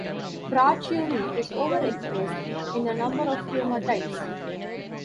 Brachyury is overexpressed in a number of tumor types.